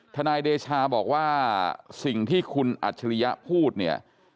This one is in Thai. นายเดชาบอกว่าสิ่งที่คุณอัจฉริยะพูดเนี่ย